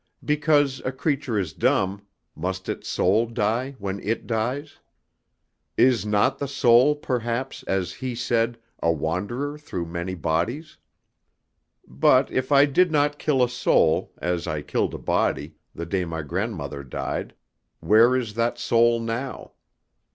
Because a creature is dumb, must its soul die when it dies? Is not the soul, perhaps as he said a wanderer through many bodies? But if I did not kill a soul, as I killed a body, the day my grandmother died, where is that soul now?